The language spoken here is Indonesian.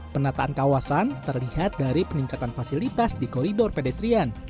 penataan kawasan terlihat dari peningkatan fasilitas di koridor pedestrian